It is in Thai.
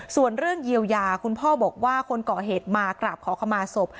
ส่วนเรื่องเยียวยาคุณพ่อบอกว่าคนก่อเหตุมากราบขอขมาศพ